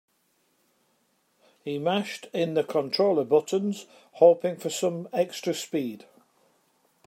He mashed in the controller buttons, hoping for some extra speed.